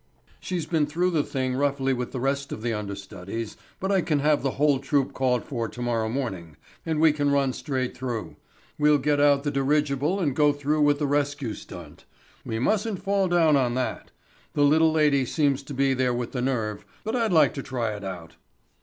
"She's been through the thing roughly with the rest of the understudies, but I can have the whole troupe called for tomorrow morning, and we can run straight through. We'll get out the dirigible and go through with the rescue stunt. We mustn't fall down on that. The little lady seems to be there with the nerve, but I'd like to try it out."